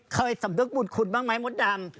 สำนึกบุญคุณบ้างไหมมดดำ